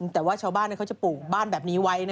แต่ว่าชาวบ้านเขาจะปลูกบ้านแบบนี้ไว้